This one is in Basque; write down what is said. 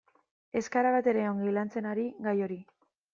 Ez gara batere ongi lantzen ari gai hori.